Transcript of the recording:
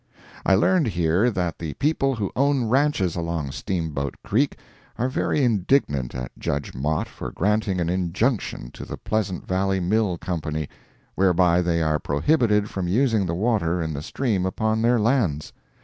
I learned here that the people who own ranches along Steamboat creek are very indignant at Judge Mott for granting an injunction to the Pleasant Valley Mill Company, whereby they are prohibited from using the water in the stream upon their lands.